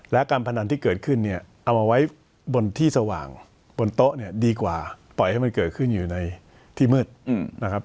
และการพนันที่เกิดขึ้นเนี่ยเอามาไว้บนที่สว่างบนโต๊ะเนี่ยดีกว่าปล่อยให้มันเกิดขึ้นอยู่ในที่มืดนะครับ